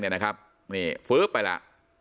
เนี่ยนะครับนี่ไปละ